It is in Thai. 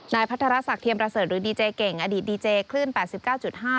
พัทรศักดิเทียมประเสริฐหรือดีเจเก่งอดีตดีเจคลื่นแปดสิบเก้าจุดห้า